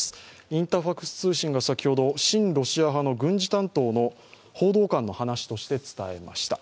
インタファクス通信が先ほど新ロシア派の軍事担当の報道官の話として伝えました。